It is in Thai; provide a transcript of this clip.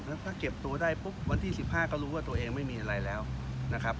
แล้วถ้าเก็บตัวได้ปุ๊บวันที่๑๕ก็รู้ว่าตัวเองไม่มีอะไรแล้วนะครับ